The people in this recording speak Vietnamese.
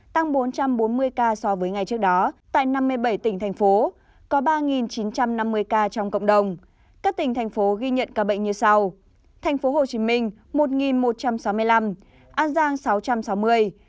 tăng bốn trăm bốn mươi ca so với ngày trước đó tại năm mươi bảy tỉnh thành phố